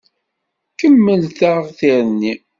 Kemmelt-aɣ tirni.